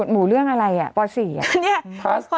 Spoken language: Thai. กรมป้องกันแล้วก็บรรเทาสาธารณภัยนะคะ